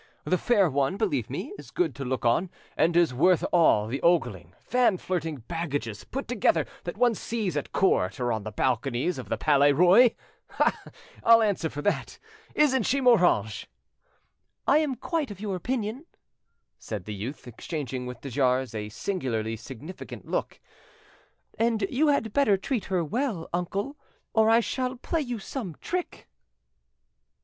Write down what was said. The fair one, believe me, is good to look on, and is worth all the ogling, fan flirting baggages put together that one sees at court or on the balconies of the Palais Roy: ah! I'll answer for that. Isn't she, Moranges?" "I'm quite of your opinion," said the youth; exchanging with de jars a singularly significant look; "and you had better treat her well, uncle, or I shall play you some trick."